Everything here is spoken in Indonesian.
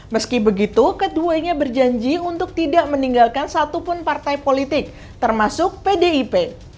meski begitu keduanya berjanji untuk tidak meninggalkan satupun partai politik termasuk pdip